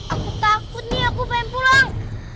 aku takut nih aku pengen pulang